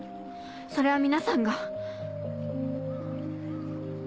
それは皆さんが。